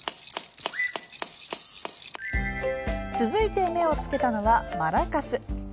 続いて、目をつけたのはマラカス。